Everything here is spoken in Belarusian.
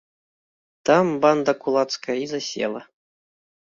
Там банда кулацкая і засела.